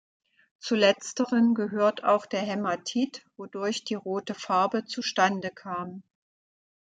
Zu letzteren gehört auch der Hämatit, wodurch die rote Farbe zustande kam.